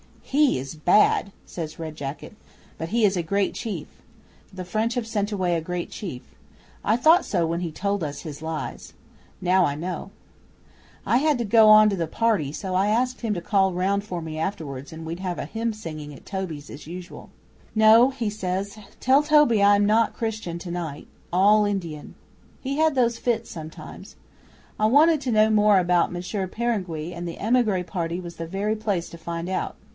'"He is bad," says Red Jacket. "But he is a great chief. The French have sent away a great chief. I thought so when he told us his lies. Now I know." 'I had to go on to the party, so I asked him to call round for me afterwards and we'd have hymn singing at Toby's as usual. "No," he says. "Tell Toby I am not Christian tonight. All Indian." He had those fits sometimes. I wanted to know more about Monsieur Peringuey, and the emigre party was the very place to find out.